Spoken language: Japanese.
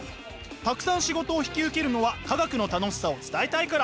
たくさん仕事を引き受けるのは化学の楽しさを伝えたいから。